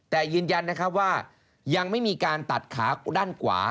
แต่ยืนยันนะครับว่ายังไม่มีการตัดขาด้านขวา